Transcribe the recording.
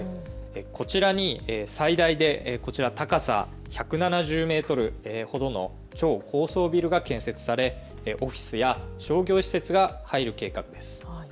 こちらに最大で高さ１７０メートルほどの超高層ビルが建設されオフィスや商業施設が入る計画です。